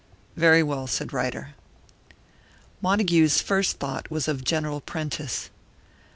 "Very well," said Ryder. Montague's first thought was of General Prentice.